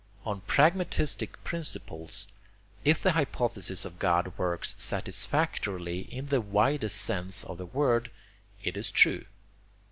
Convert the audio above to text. On pragmatistic principles, if the hypothesis of God works satisfactorily in the widest sense of the word, it is true.